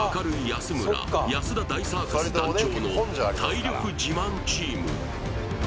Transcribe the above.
安村安田大サーカス団長の体力自慢チーム